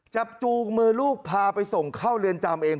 จูงมือลูกพาไปส่งเข้าเรือนจำเอง